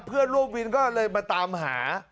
เพื่อนร่วมวินก็เลยมาตามหา